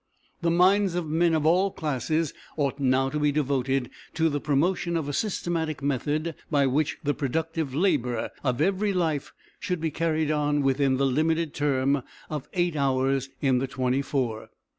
The minds of men of all classes ought now to be devoted to the promotion of a systematic method by which the productive labour of every life should be carried on within the limited term of eight hours in the twenty four.